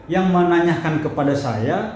yang menanyakan kepada saya